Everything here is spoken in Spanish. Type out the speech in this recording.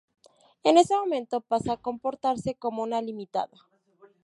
En ese momento pasa a comportarse como una limitada.